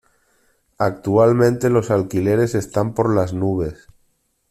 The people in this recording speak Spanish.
Actualmente los alquileres están por las nubes.